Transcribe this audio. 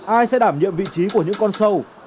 ai sẽ đảm nhiệm vị trí của những con sâu